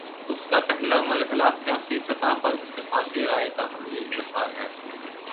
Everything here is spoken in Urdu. اس کا پہلا مرحلہ سیاسی سطح پر اتفاق رائے کا عملی اظہار ہے۔